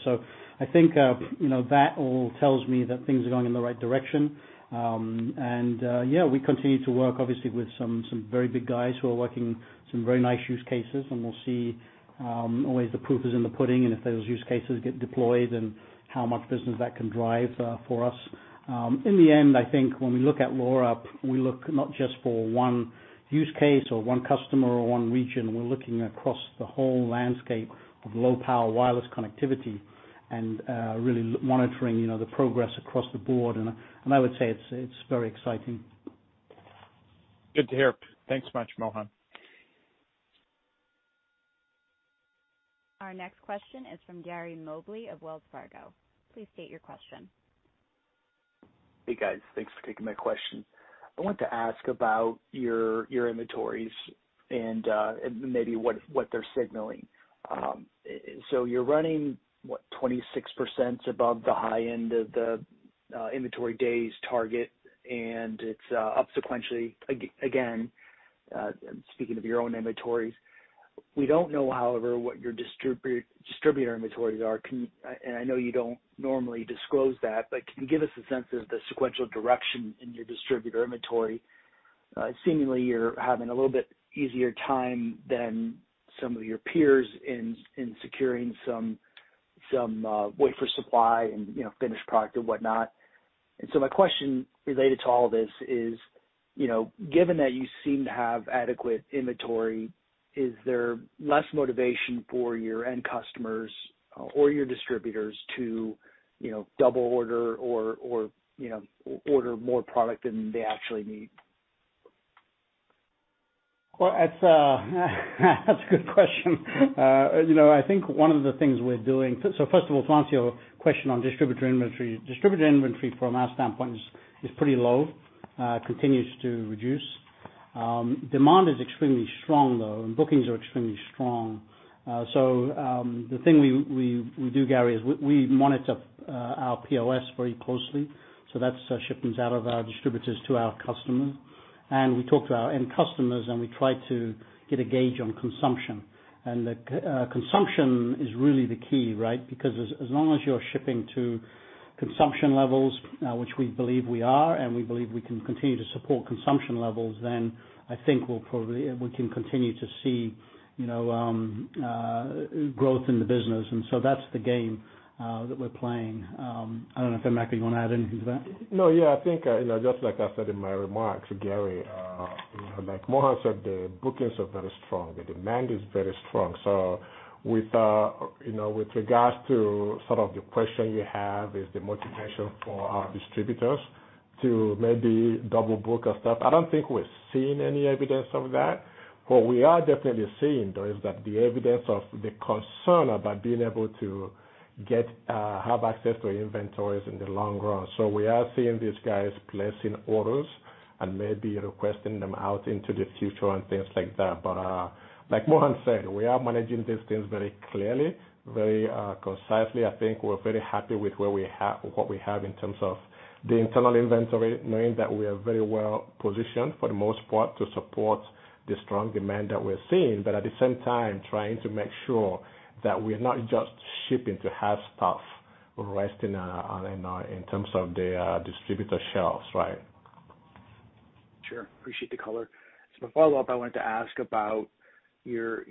I think that all tells me that things are going in the right direction. Yeah, we continue to work, obviously, with some very big guys who are working on some very nice use cases, and we'll see. The proof is always in the pudding: if those use cases get deployed, then how much business that can drive for us. In the end, I think when we look at LoRa, we don't just look for one use case or one customer or one region. We're looking across the whole landscape of low-power wireless connectivity and really monitoring the progress across the board. I would say it's very exciting. Good to hear. Thanks so much, Mohan. Our next question is from Gary Mobley of Wells Fargo. Please state your question. Hey, guys. Thanks for taking my question. I want to ask about your inventories and maybe what they're signaling. You're running 26% above the high end of the inventory days target, and it's up sequentially, again, speaking of your own inventories. We don't know, however, what your distributor inventories are. I know you don't normally disclose that, but can you give us a sense of the sequential direction in your distributor inventory? Seemingly, you're having a little bit easier time than some of your peers in securing some wafer supply and finished product or whatnot. My question related to all this is, given that you seem to have adequate inventory, is there less motivation for your end customers or your distributors to double order or order more product than they actually need? Well, that's a good question. First of all, to answer your question on distributor inventory. Distributor inventory from our standpoint is pretty low, continues to reduce Demand is extremely strong, though, and bookings are extremely strong. The thing we do, Gary, is we monitor our POS very closely, so that's our shipments out of our distributors to our customers. We talk to our end customers, and we try to get a gauge on consumption. Consumption is really the key, right? Because as long as you're shipping to consumption levels, which we believe we are, and we believe we can continue to support consumption levels, then I think we can continue to see growth in the business. That's the game that we're playing. I don't know if Emeka can add anything to that. No, yeah, I think, just like I said in my remarks, Gary, like Mohan said, the bookings are very strong, the demand is very strong. With regard to the question you have, is the motivation for our distributors to maybe double-book or stuff, I don't think we're seeing any evidence of that. What we are definitely seeing, though, is the evidence of the concern about being able to have access to inventories in the long run. We are seeing these guys placing orders and maybe requesting them out into the future and things like that. Like Mohan said, we are managing these things very clearly, very concisely. I think we're very happy with what we have in terms of internal inventory, meaning that we are, for the most part, very well positioned to support the strong demand that we're seeing. But at the same time, we're trying to make sure that we're not just shipping to have stuff resting on the distributor shelves, right? Sure. I appreciate the color. Follow-up, I wanted to ask about your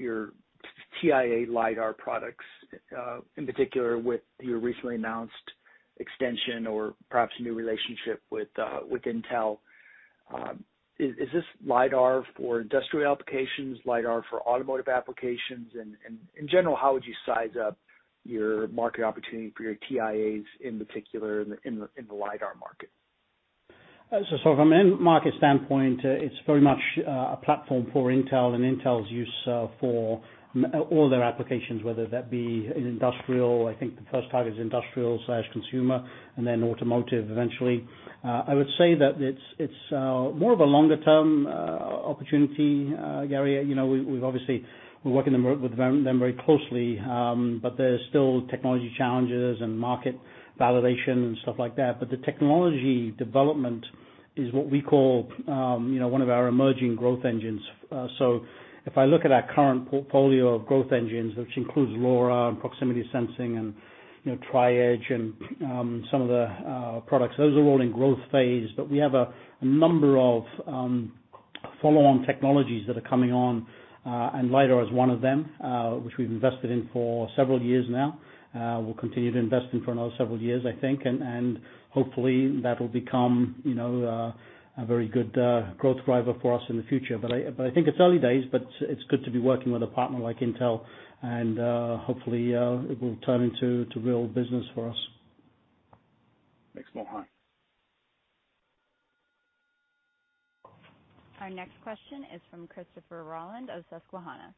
TIA LiDAR products, in particular with your recently announced extension or perhaps new relationship with Intel. Is this LiDAR for industrial applications, or LiDAR for automotive applications? In general, how would you size up your market opportunity for your TIAs, particularly in the LiDAR market? From an end-market standpoint, it's very much a platform for Intel and Intel's use for all their applications, whether that be in industrial—I think the first target is industrial/consumer—and then automotive eventually. I would say that it's more of a longer-term opportunity, Gary. We're working with them very closely, but there are still technology challenges and market validation and stuff like that. The technology development is what we call one of our emerging growth engines. If I look at our current portfolio of growth engines, which includes LoRa, proximity sensing, and Tri-Edge, and some of the products, those are all in a growth phase. We have a number of follow-on technologies that are coming on, and LiDAR is one of them, which we've invested in for several years now. We'll continue to invest in it for another several years, I think, and hopefully that will become a very good growth driver for us in the future. I think it's early days, but it's good to be working with a partner like Intel, and hopefully it will turn into real business for us. Thanks, Mohan. Our next question is from Christopher Rolland of Susquehanna.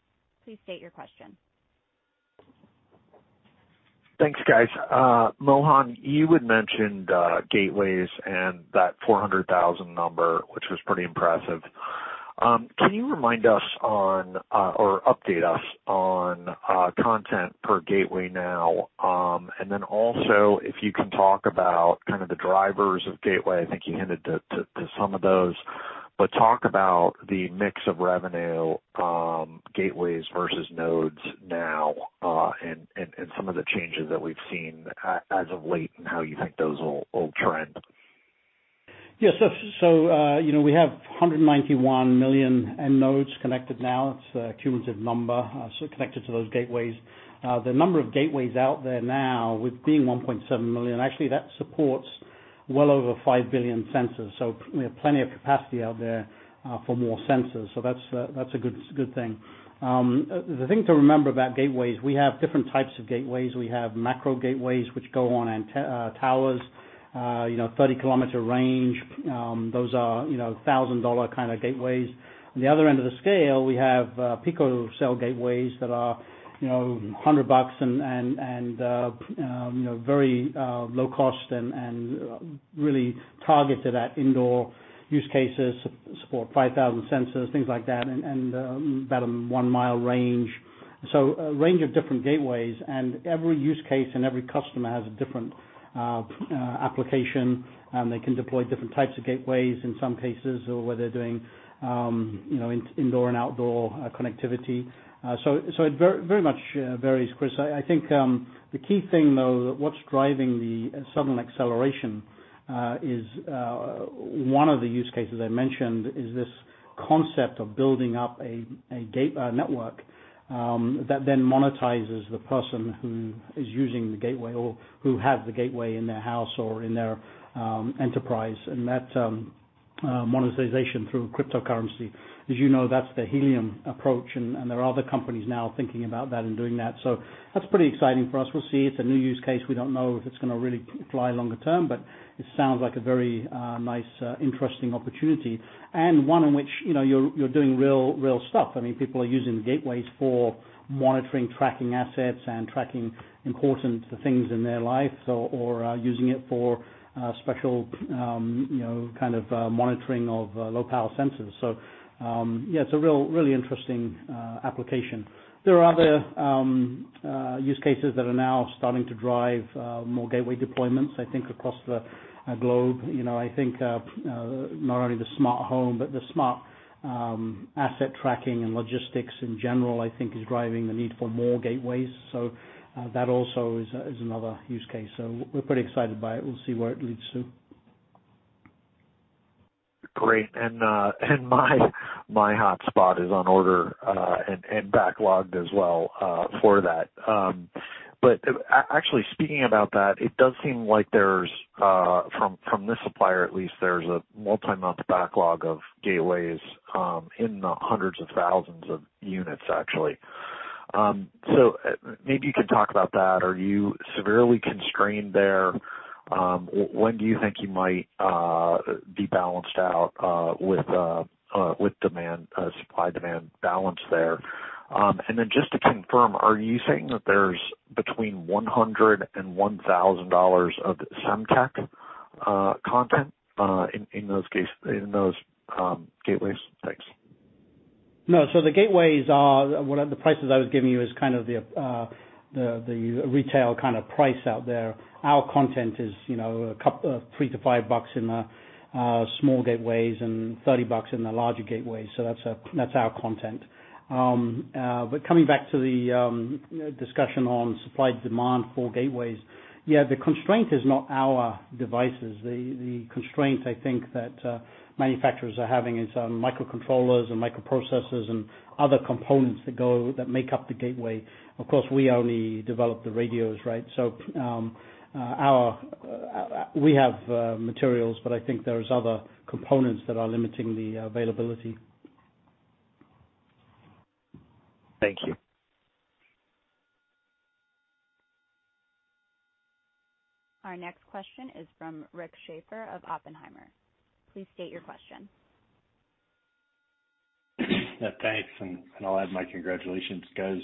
Please state your question. Thanks, guys. Mohan, you had mentioned gateways and that 400,000 number, which was pretty impressive. Can you remind us or update us on content per gateway now? Also, if you can talk about the drivers of gateways, I think you hinted at some of those, but talk about the mix of revenue, gateways versus nodes now, and some of the changes that we've seen as of late and how you think those will trend. Yeah. We have 191 million end nodes connected now. It's a cumulative number, connected to those gateways. The number of gateways out there now is 1.7 million, and that actually supports well over 5 billion sensors. We have plenty of capacity out there for more sensors. That's a good thing. The thing to remember about gateways is that we have different types of gateways. We have macro gateways, which go on towers, with a 30-kilometer range. Those are $1,000 kind of gateways. On the other end of the scale, we have pico cell gateways that are $100 and very low cost and really targeted at indoor use cases, supporting 5,000 sensors, things like that, and about a one-mile range. A range of different gateways, and every use case and every customer has a different application. They can deploy different types of gateways in some cases, or whether they're doing indoor and outdoor connectivity, it very much varies, Chris. I think the key thing, though, that's driving the sudden acceleration is one of the use cases I mentioned: this concept of building up a network that then monetizes the person who is using the gateway or who has the gateway in their house or in their enterprise. That monetization is through cryptocurrency. As you know, that's the Helium approach, and there are other companies now thinking about that and doing that. That's pretty exciting for us. We'll see. It's a new use case. We don't know if it's going to really fly longer term, but it sounds like a very nice, interesting opportunity and one in which you're doing real stuff. I mean, people are using gateways for monitoring, tracking assets, and tracking important things in their life or using it for special kinds of monitoring of local sensors. Yeah, it's a really interesting application. There are other use cases that are now starting to drive more gateway deployments, I think, across the globe. I think not only the smart home, but smart asset tracking and logistics in general, is driving the need for more gateways. That also is another use case. We're pretty excited by it. We'll see where it leads. Great. My hotspot is on order and backlogged as well. Actually, speaking about that, it does seem like from this supplier at least, there's a multi-month backlog of gateways, in the hundreds of thousands of units, actually. Maybe you can talk about that. Are you severely constrained there? When do you think you might achieve a supply-demand balance there? Then, just to confirm, are you saying that there's between $100 and $1,000 of Semtech content in those gateways? Thanks. Thank you. Our next question is from Rick Schafer of Oppenheimer. Please state your question. Thanks. I'll add my congratulations, guys.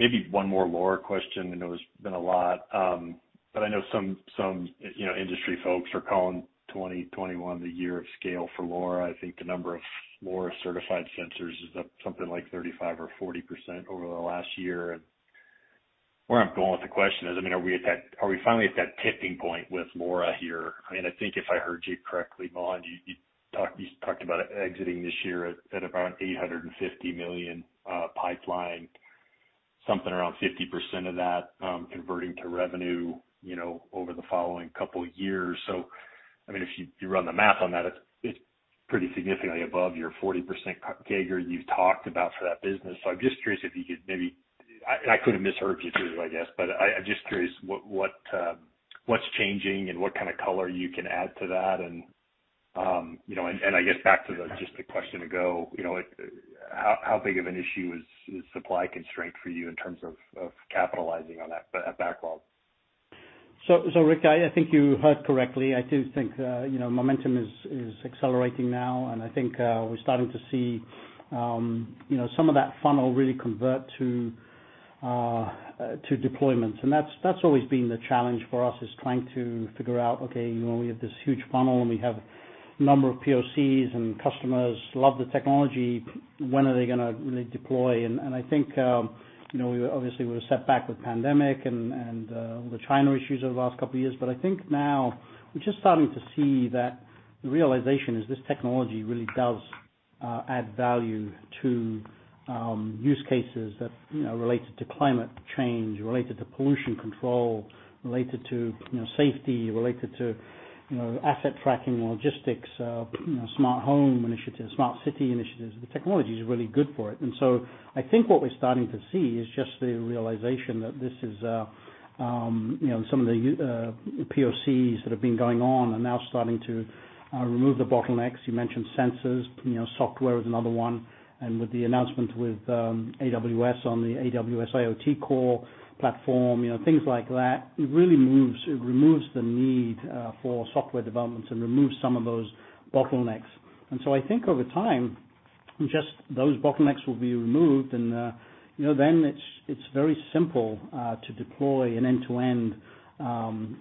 Maybe one more LoRa question. I know it's been a lot. I know some industry folks are calling 2021 the year of scale for LoRa. I think the number of LoRa certified sensors is up something like 35% or 40% over the last year. Where I'm going with the question is, are we finally at that tipping point with LoRa here? I think if I heard you correctly, Mohan, you talked about exiting this year at about an $850 million pipeline, something around 50% of that converting to revenue over the following couple of years. If you run the math on that, it's pretty significantly above your 40% CAGR you've talked about for that business. I'm just curious if I could have misheard you, too, I guess, but I'm just curious what's changing and what kind of color you can add to that. And I guess, back to the question from a moment ago, how big of an issue is supply constraint for you in terms of capitalizing on that backlog? Rick, I think you heard correctly. I do think momentum is accelerating now, and I think we're starting to see some of that funnel really convert to deployments. That's always been the challenge for us, is trying to figure out, okay, we have this huge funnel, and we have a number of POCs, and customers love the technology. When are they going to deploy? I think obviously we were set back with the pandemic and the China issues over the last couple of years. I think now we're just starting to see that the realization is this technology really does add value to use cases that relate to climate change, relate to pollution control, relate to safety, relate to asset tracking, logistics, smart home initiatives, and smart city initiatives. The technology is really good for it. I think what we're starting to see is just the realization that some of the POCs that have been going on are now starting to remove the bottlenecks. You mentioned sensors, software is another one, and with the announcement with AWS on the AWS IoT Core platform, things like that, it really removes the need for software development to remove some of those bottlenecks. I think over time, just those bottlenecks will be removed, and then it's very simple to deploy an end-to-end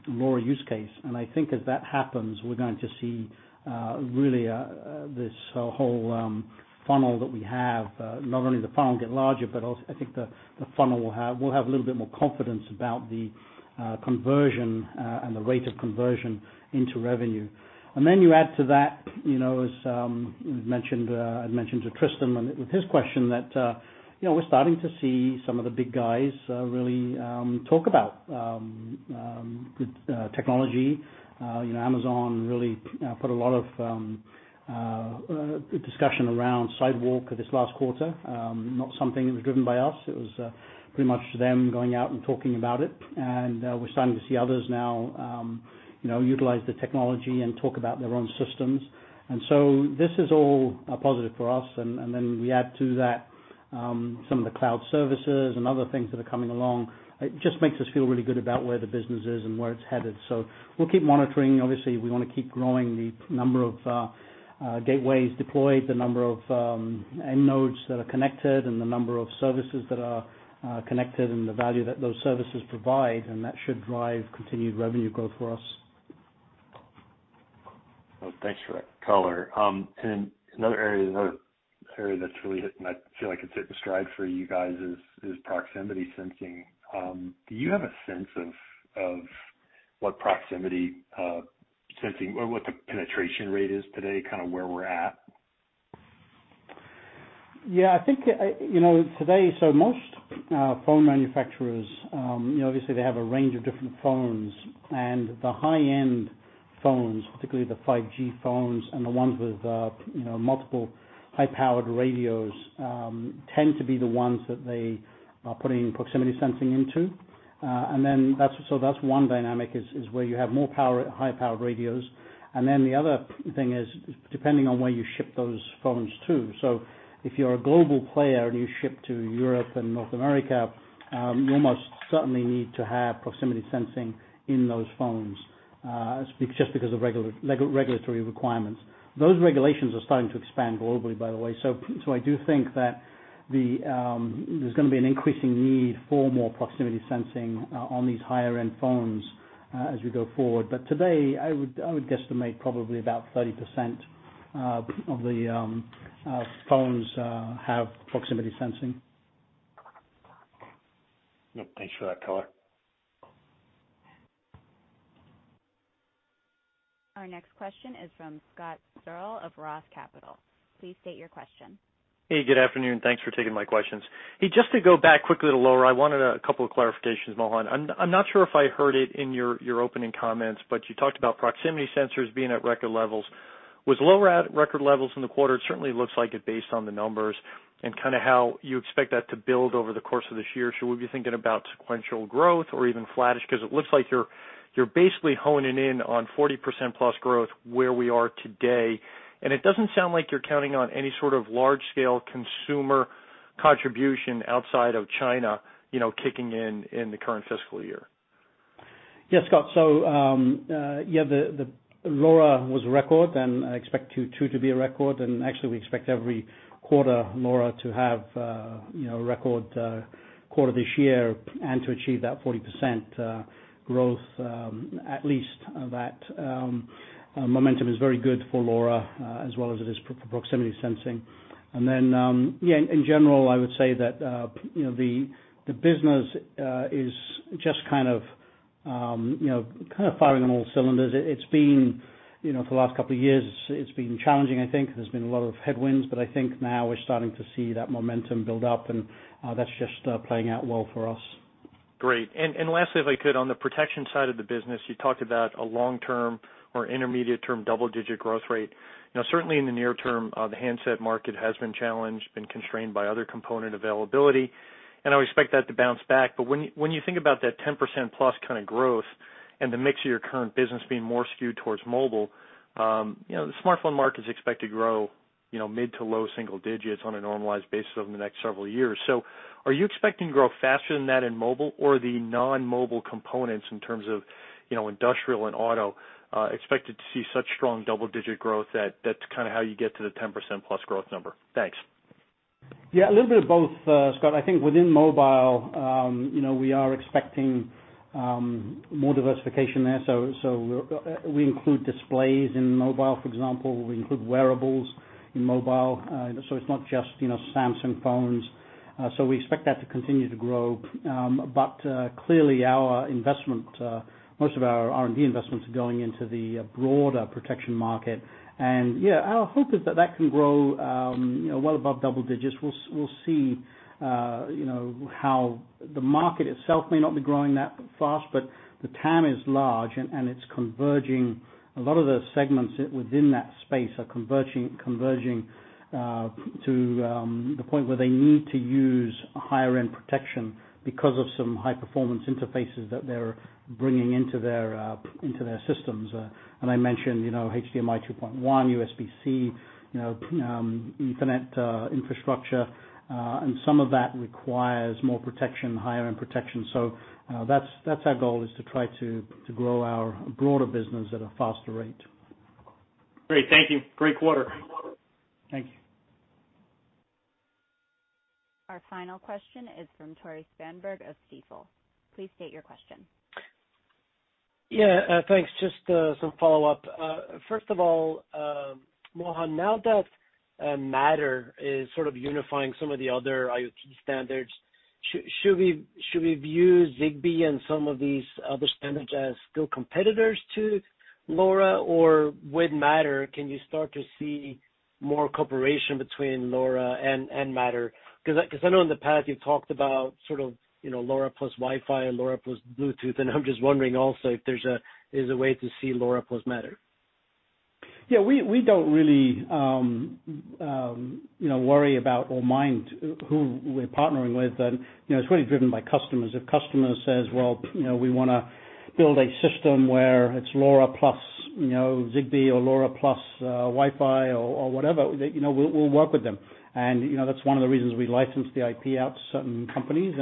LoRa use case. I think as that happens, we're going to see really this whole funnel that we have, not only the funnel get larger, but also I think the funnel will have a little bit more confidence about the conversion and the rate of conversion into revenue. You add to that, as I mentioned to Tristan with his question, that we're starting to see some of the big guys really talk about the technology. Amazon really discussed Sidewalk a lot this last quarter. Not something that was driven by us. It was pretty much them going out and talking about it, and we're starting to see others now utilize the technology and talk about their own systems. This is all a positive for us. You add to that some of the cloud services and other things that are coming along. It just makes us feel really good about where the business is and where it's headed. We'll keep monitoring. Obviously, we want to keep growing the number of gateways deployed, the number of end nodes that are connected, the number of services that are connected, and the value that those services provide, and that should drive continued revenue growth for us. Well, thanks for that color. Another area where I feel like you guys are hitting your stride is proximity sensing. Do you have a sense of what the penetration rate of proximity sensing is today, or where we're at with it? Yeah, I think today most phone manufacturers obviously have a range of different phones. The high-end phones, particularly the 5G phones and the ones with multiple high-powered radios, tend to be the ones that they are putting proximity sensing into. That's one dynamic, where you have more high-powered radios. The other thing is, depending on where you ship those phones to. If you're a global player and you ship to Europe and North America, you almost certainly need to have proximity sensing in those phones, just because of regulatory requirements. Those regulations are starting to expand globally, by the way. I do think that there's going to be an increasing need for more proximity sensing on these higher-end phones, as we go forward. Today, I would guesstimate probably about 30% of phones have proximity sensing. Yep. Thanks for that color. Our next question is from Scott Searle of Roth Capital. Please state your question. Hey, good afternoon. Thanks for taking my questions. Hey, just to go back quickly to LoRa, I wanted a couple of clarifications, Mohan. I'm not sure if I heard it in your opening comments, but you talked about proximity sensors being at record levels. With LoRa at record levels in the quarter, it certainly looks like it based on the numbers, and how you expect that to build over the course of this year. Should we be thinking about sequential growth or even flattish? It looks like you're basically honing in on 40% plus growth where we are today, and it doesn't sound like you're counting on any sort of large-scale consumer contribution outside of China kicking in in the current fiscal year. Yeah, Scott. LoRa was a record. I expect Q2 to be a record. Actually, we expect LoRa to have a record quarter every quarter this year and to achieve that 40% growth. At least that momentum is very good for LoRa, as it is for proximity sensing. Then, yeah, in general, I would say that the business is just kind of firing on all cylinders. It's been challenging for the last couple of years, I think. There have been a lot of headwinds, but I think now we're starting to see that momentum build up, and that's just playing out well for us. Lastly, if I could, on the protection side of the business, you talked about a long-term or intermediate-term double-digit growth rate. Certainly, in the near term, the handset market has been challenged, constrained by other component availability, and I expect that to bounce back. When you think about that 10% plus kind of growth and the mix of your current business being more skewed towards mobile, the smartphone market is expected to grow mid to low single digits on a normalized basis over the next several years. Are you expecting growth faster than that in mobile, or are the non-mobile components, in terms of industrial and auto, expected to see such strong double-digit growth that that's kind of how you get to the 10% plus growth number? Thanks. Yeah, a little bit of both, Scott. I think within mobile, we are expecting more diversification there. We include displays in mobile, for example. We include wearables in mobile. It's not just Samsung phones. We expect that to continue to grow. Clearly, our investment, most of our R&D investments, are going into the broader protection market. Yeah, our hope is that that can grow well above double digits. We'll see how the market itself may not be growing that fast, but the TAM is large, and it's converging. A lot of the segments within that space are converging to the point where they need to use higher-end protection because of some high-performance interfaces that they're bringing into their systems. I mentioned HDMI 2.1, USB-C, Ethernet infrastructure, and some of that requires more protection, higher-end protection. That's our goal, is to try to grow our broader business at a faster rate. Great. Thank you. Great quarter. Thank you. Our final question is from Tore Svanberg of Stifel. Please state your question. Yeah, thanks. Just some follow-up. First of all, Mohan, now that Matter is sort of unifying some of the other IoT standards, should we view Zigbee and some of these other standards as still competitors to LoRa? Or with Matter, can you start to see more cooperation between LoRa and Matter? Because I know in the past you've talked about LoRa plus Wi-Fi or LoRa plus Bluetooth, and I'm just wondering also if there's a way to see LoRa plus Matter. Yeah, we don't really worry about or mind who we're partnering with. It's really driven by customers. If a customer says, "Well, we want to build a system where it's LoRa plus Zigbee or LoRa plus Wi-Fi or whatever," we'll work with them. That's one of the reasons we license the IP out to certain companies,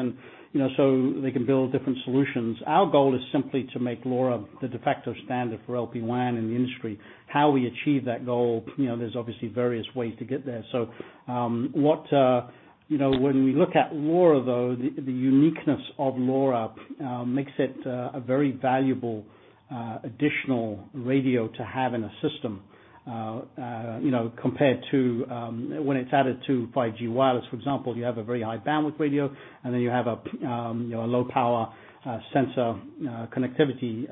so they can build different solutions. Our goal is simply to make LoRa the de facto standard for LPWAN in the industry. There are obviously various ways to achieve that goal. When we look at LoRa, though, its uniqueness makes it a very valuable additional radio to have in a system. For example, when it's added to 5G wireless, you have a very high bandwidth radio, and then you have a low-power sensor connectivity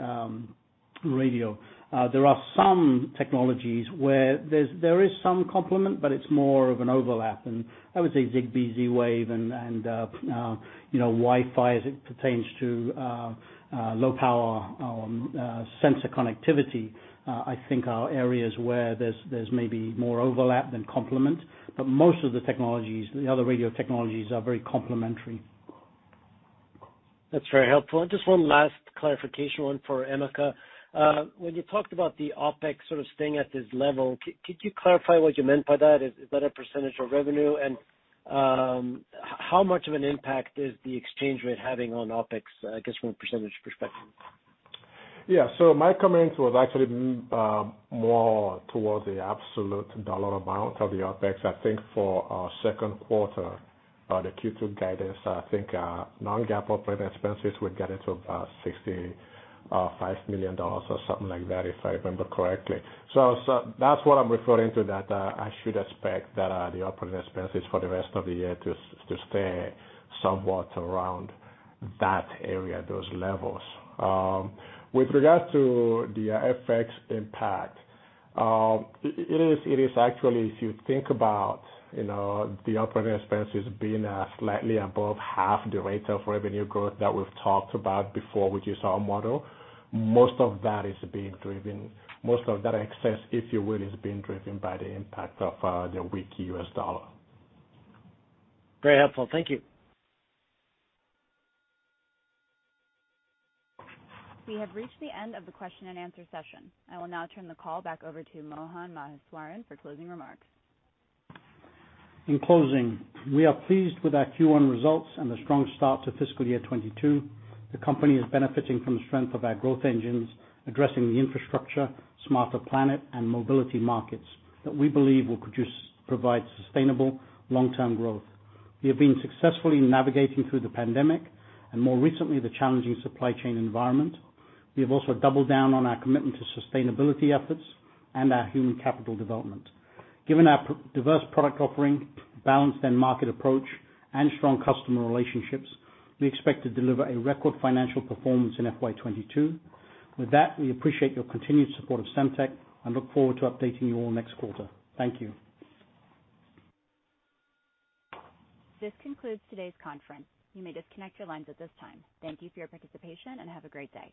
radio. There are some technologies where there is some complement, but it's more of an overlap. I would say Zigbee, Z-Wave, and Wi-Fi, as they pertain to low-power sensor connectivity, are areas where there's maybe more overlap than complement. Most of the other radio technologies are very complementary. That's very helpful. Just one last clarification for Emeka. When you talked about the OpEx sort of staying at this level, could you clarify what you meant by that? Is that a percentage of revenue? How much of an impact is the exchange rate having on OpEx, I guess, from a percentage perspective? Yeah. My comments were actually more towards the absolute dollar amount of the OpEx. I think for our second quarter, the Q2 guidance, our non-GAAP operating expenses would get to about $65 million or something like that, if I remember correctly. That's what I'm referring to, that I should expect the operating expenses for the rest of the year to stay somewhat around that area, those levels. With regard to the FX impact, it is actually, if you think about the operating expenses being slightly above half the rate of revenue growth that we've talked about before, which is our model. Most of that excess, if you will, is being driven by the impact of the weak US dollar. Very helpful. Thank you. We have reached the end of the question and answer session. I will now turn the call back over to Mohan Maheswaran for closing remarks. In closing, we are pleased with our Q1 results and the strong start to fiscal year 2022. The company is benefiting from the strength of our growth engines, addressing the infrastructure, smarter planet, and mobility markets that we believe will provide sustainable long-term growth. We have been successfully navigating through the pandemic and, more recently, the challenging supply chain environment. We have also doubled down on our commitment to sustainability efforts and our human capital development. Given our diverse product offerings, balanced end market approach, and strong customer relationships, we expect to deliver a record financial performance in FY 2022. With that, we appreciate your continued support of Semtech and look forward to updating you all next quarter. Thank you. This concludes today's conference. You may disconnect your lines at this time. Thank you for your participation and have a great day.